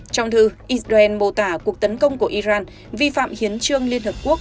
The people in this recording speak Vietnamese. trong thư israel mô tả cuộc tấn công của iran vi phạm hiến trương liên hợp quốc